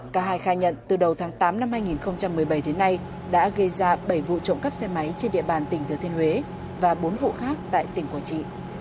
cả hai khai nhận từ đầu tháng tám năm hai nghìn một mươi bảy đến nay đã gây ra bảy vụ trộm cắp xe máy trên địa bàn tỉnh thừa thiên huế và bốn vụ khác tại tỉnh quảng trị